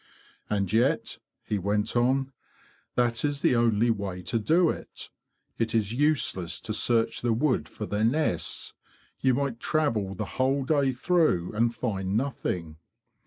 And yet,' he went on, 'that is the only way to do it. It is useless to search the wood for their nests; you might travel the whole day through and find nothing.